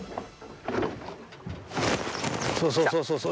そうそうそうそうそう！